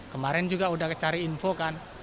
kemarin juga udah cari info kan